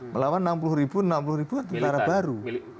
melawan enam puluh enam puluh tentara baru